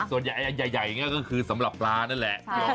ส่วนใหญ่อันใหญ่อย่างนี้ก็คือสำหรับปลานั่นแหละ